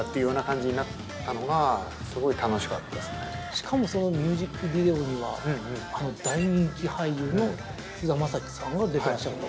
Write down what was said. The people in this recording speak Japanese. しかもそのミュージックビデオにはあの大人気俳優の菅田将暉さんが出てらっしゃると。